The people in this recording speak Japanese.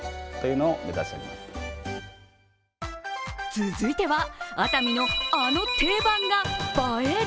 続いては、熱海のあの定番が映える？